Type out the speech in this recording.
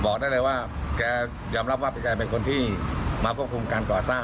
บอกได้เลยว่าแกยอมรับว่าแกเป็นคนที่มาควบคุมการก่อสร้าง